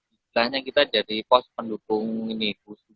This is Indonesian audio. istilahnya kita jadi pos pendukung ini